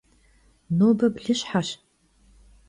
Nobe blışheş.